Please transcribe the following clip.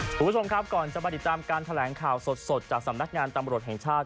คุณผู้ชมครับก่อนจะมาติดตามการแถลงข่าวสดจากสำนักงานตำรวจแห่งชาติ